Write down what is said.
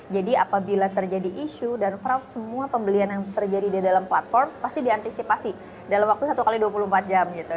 jadi apabila terjadi isu dan fraud semua pembelian yang terjadi di dalam platform pasti diantisipasi dalam waktu satu x dua puluh empat jam gitu